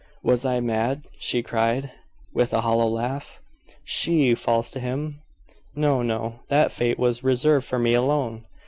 "Was I mad?" she cried, with a hollow laugh. "She false to him? No, no; that fate was reserved for me alone!"